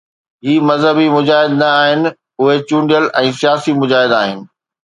هي مذهبي مجاهد نه آهن، اهي چونڊيل ۽ سياسي مجاهد آهن.